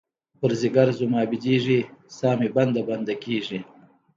پر ځیګــر زما بیدیږې، سا مې بنده، بنده کیږې